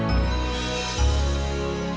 dan jangan lupa subscribe channel ini